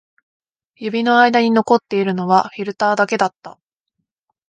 指の間に残っているのはフィルターだけだった